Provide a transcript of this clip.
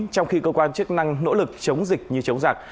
trong khi cơ quan chức năng nỗ lực chống dịch như chống giặc